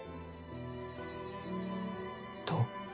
どう？